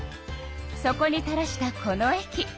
そこにたらしたこのえき。